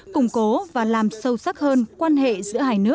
củng cố và làm sáng